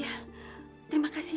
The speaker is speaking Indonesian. ya saya berangkat pak